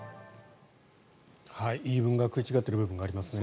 言い分が食い違っている部分がありますね。